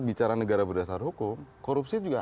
bicara negara berdasar hukum korupsi juga